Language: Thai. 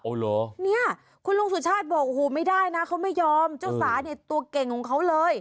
เหรอเนี่ยคุณลุงสุชาติบอกโอ้โหไม่ได้นะเขาไม่ยอมเจ้าสาเนี่ยตัวเก่งของเขาเลย